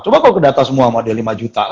coba kok kedata semua sama dia lima juta